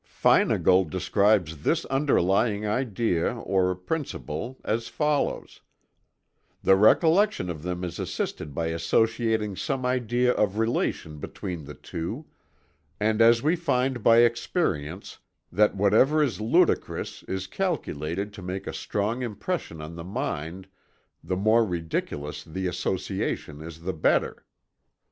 Feinagle describes this underlying idea, or principle, as follows: "The recollection of them is assisted by associating some idea of relation between the two; and as we find by experience that whatever is ludicrous is calculated to make a strong impression on the mind, the more ridiculous the association is the better."